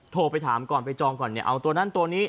โทรไปถามก่อนไปจองก่อน